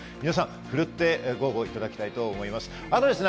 奮ってご応募いただきたいと思います。